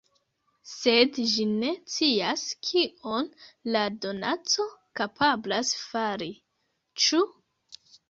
Sed ĝi ne scias, kion la donaco kapablas fari, ĉu?